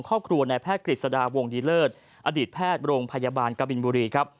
ครอบครัวในแพทย์กฤษฎาวงดีเลิศอดีตแพทย์โรงพยาบาลกบินบุรีครับ